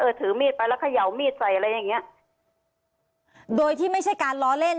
ถือมีดไปแล้วเขย่ามีดใส่อะไรอย่างเงี้ยโดยที่ไม่ใช่การล้อเล่น